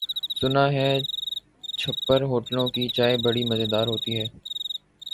سنا ہے چھپر ہوٹلوں کی چائے بڑی مزیدار ہوتی ہے۔